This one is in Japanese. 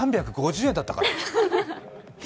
３５０円だったから！